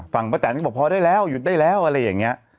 ฝั่งประแตนก็ก็บอกพอได้แล้วหยุดได้แล้วอะไรแบบนี้